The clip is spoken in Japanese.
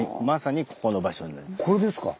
まさにここの場所になります。